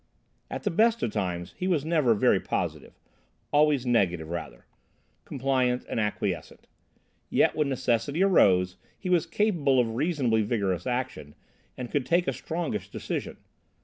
At the best of times he was never very positive, always negative rather, compliant and acquiescent; yet, when necessity arose he was capable of reasonably vigorous action and could take a strongish decision.